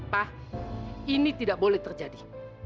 pak ini tidak boleh terjadi